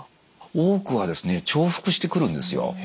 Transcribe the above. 多くはですね重複してくるんですよ。